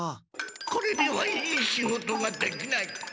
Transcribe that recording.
これではいい仕事ができない。